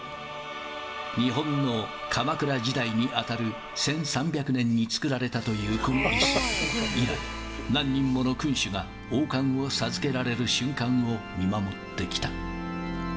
日本の鎌倉時代に当たる、１３００年に作られたというこのいす。以来、何人もの君主が、王冠を授けられる瞬間を見守ってきた。